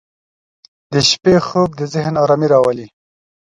• د شپې خوب د ذهن آرامي راولي.